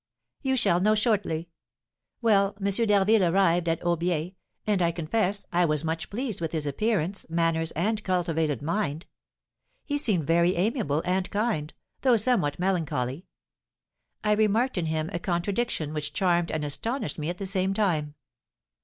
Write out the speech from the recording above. "You shall know shortly. Well, M. d'Harville arrived at Aubiers, and, I confess, I was much pleased with his appearance, manners, and cultivated mind. He seemed very amiable and kind, though somewhat melancholy. I remarked in him a contradiction which charmed and astonished me at the same time.